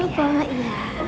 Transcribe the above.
ya makasih ya